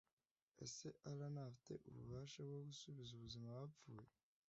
Ese Allah ntafite ububasha bwo gusubiza ubuzima abapfuye